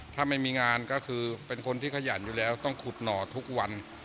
ถ้าไม่มีงานก็คือเป็นคนที่ขยันอยู่แล้วต้องขุดหน่อทุกวัน